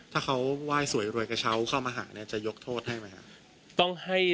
ถ้าเขาไหว้สวยรวยกระเช้าเข้ามาหาเนี่ยจะยกโทษให้ไหมครับ